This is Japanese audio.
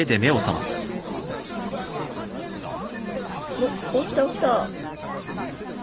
おっ起きた起きた。